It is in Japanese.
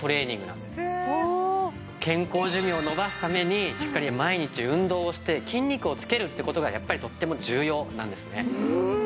健康寿命を延ばすためにしっかり毎日運動をして筋肉をつけるって事がやっぱりとっても重要なんですね。